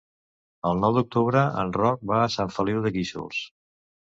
El nou d'octubre en Roc va a Sant Feliu de Guíxols.